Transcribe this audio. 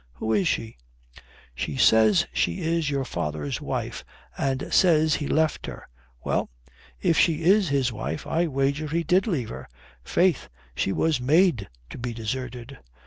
Who is she?" "She says she is your father's wife; and says he left her." "Well, if she is his wife, I wager he did leave her. Faith, she was made to be deserted."